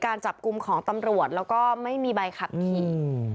การจับกลุ่มของตำรวจแล้วก็ไม่มีใบขับขี่